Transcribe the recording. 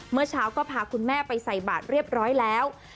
เมื่อเช้าก็พาคุณแม่ไปใส่บาทเรียบร้อยแล้ว